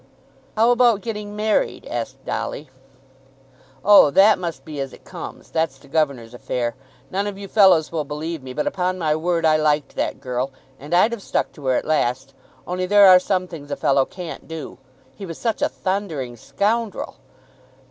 "How about getting married?" asked Dolly. "Oh; that must be as it comes. That's the governor's affair. None of you fellows will believe me, but, upon my word, I liked that girl; and I'd 've stuck to her at last, only that there are some things a fellow can't do. He was such a thundering scoundrel!"